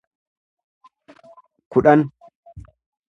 kudhan